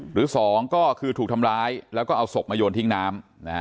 หรือ๒ก็คือถูกทำร้ายแล้วก็เอาศพมาโยนทิ้งน้ำ